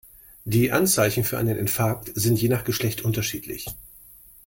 Die Anzeichen für einen Infarkt sind je nach Geschlecht unterschiedlich.